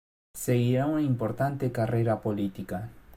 Seguirá una importante carrera política.